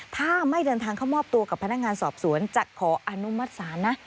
ถ้าไม่เดินทางเข้ามอบตัวกับพนักงานสอบสวนจะขออนุมัติศาลนะ